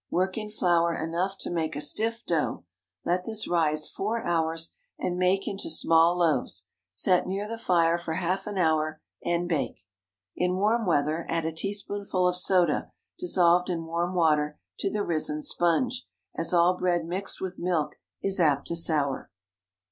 Work in flour enough to make a stiff dough; let this rise four hours, and make into small loaves. Set near the fire for half an hour, and bake. In warm weather, add a teaspoonful of soda, dissolved in warm water, to the risen sponge, as all bread mixed with milk is apt to sour.